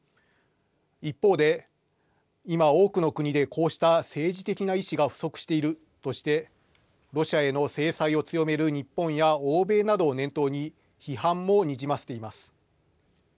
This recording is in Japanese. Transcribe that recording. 一方で今、多くの国でこうした政治的な意志が不足しているとしてロシアへの制裁を強める日本や欧米などを念頭に批判もにじませています。